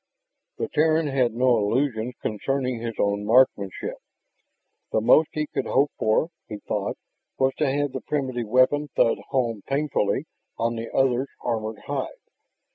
The Terran had no illusions concerning his own marksmanship. The most he could hope for, he thought, was to have the primitive weapon thud home painfully on the other's armored hide.